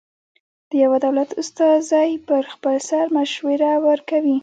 د یوه دولت استازی پر خپل سر مشوره ورکوي.